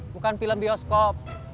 bukan film bioskop